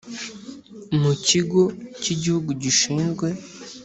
Mu kigo cy igihugu gishinzwe